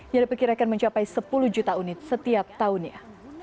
yang diperkirakan mencapai sepuluh juta unit setiap tahunnya